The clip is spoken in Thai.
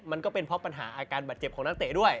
มันก็เป็นเพราะปัญหาอาการบาดเจ็บของนักเตะด้วย